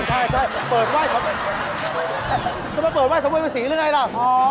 เปิดไว้สังเวย์วัน๔หรือไงล่ะ